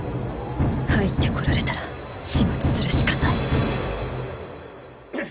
入ってこられたら始末するしかない・ヘッ！